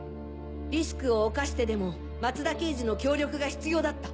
リスクを冒してでも松田刑事の協力が必要だった。